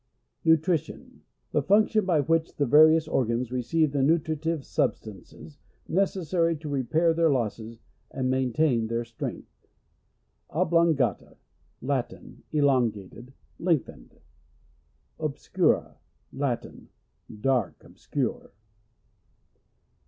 Nutrition. — The function by which the various organs receive the nu tritive substances, necessary to re pair their losses and maintain their strength. : Oblongata. — Latin. Elongated — lengthened. Ouscura. — Latin. Dark — obscure.